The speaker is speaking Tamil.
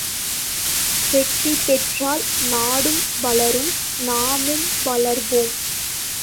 வெற்றி பெற்றால் நாடும் வளரும் நாமும் வளர்வோம்!